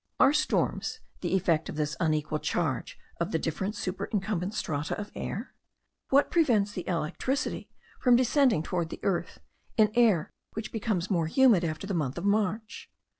Are storms the effect of this unequal charge of the different superincumbent strata of air? What prevents the electricity from descending towards the earth, in air which becomes more humid after the month of March?